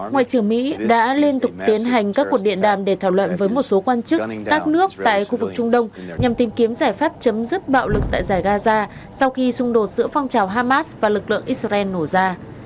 ngoại trưởng mỹ đã liên tục tiến hành các cuộc điện đàm để thảo luận với một số quan chức các nước tại khu vực trung đông nhằm tìm kiếm giải pháp chấm dứt bạo lực tại giải gaza sau khi xung đột giữa phong trào hamas và lực lượng israel nổ ra